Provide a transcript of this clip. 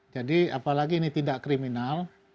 jadi apalagi ini tidak kriminal